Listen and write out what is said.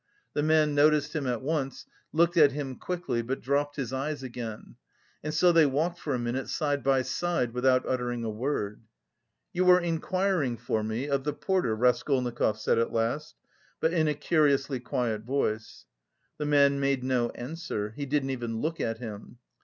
The man noticed him at once, looked at him quickly, but dropped his eyes again; and so they walked for a minute side by side without uttering a word. "You were inquiring for me... of the porter?" Raskolnikov said at last, but in a curiously quiet voice. The man made no answer; he didn't even look at him.